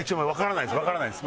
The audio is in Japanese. わからないです